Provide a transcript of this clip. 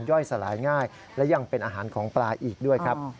สลายง่ายและยังเป็นอาหารของปลาอีกด้วยครับ